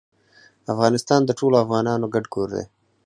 افغانستان د ټولو افغانانو ګډ کور دی